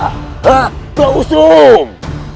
hah tua usom